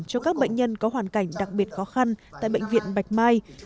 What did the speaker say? cho các bệnh nhân có hoàn cảnh đặc biệt khó khăn tại bệnh viện bạch mai